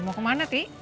mau ke mana ti